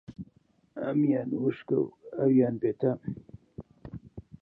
ئەمیانە وشکە و ئەویانە بێتام